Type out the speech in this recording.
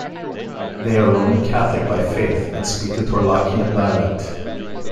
They are Roman Catholic by faith and speak the Torlakian dialect.